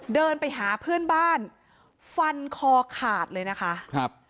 เดินไปหาเพื่อนบ้านฟันคอขาดเลยนะคะครับ